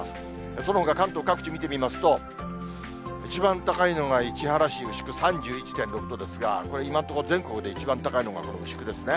そのほか関東各地見てみますと、一番高いのが市原市牛久３１．６ですが、今のところ、全国で一番高いのがこの牛久ですね。